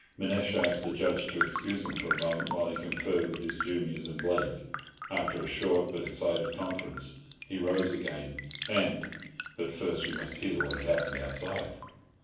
Manasseh asked the Judge to excuse him for a moment while he conferred with his juniors and Blake. After a short but excited conference he rose again and—but first we must hear what had happened outside.